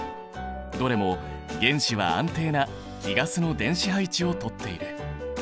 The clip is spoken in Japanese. どれも原子は安定な貴ガスの電子配置をとっている。